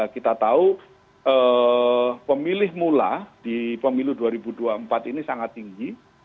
kita tahu pemilih mula di pemilu dua ribu dua puluh empat ini sangat tinggi